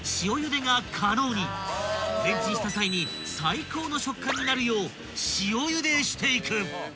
［レンチンした際に最高の食感になるよう塩ゆでしていく］